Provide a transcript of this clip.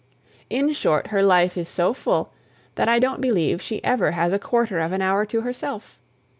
In short, her life is so full, that I don't believe she ever has a quarter of an hour to herself.